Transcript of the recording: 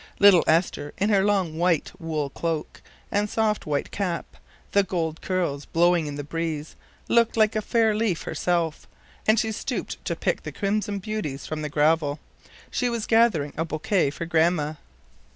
Little Esther, in her long white wool cloak and soft white cap, the gold curls blowing in the breeze, looked like a fair leaf herself, as she stooped to pick the crimson beauties from the gravel. She was gathering a bouquet for Grandma.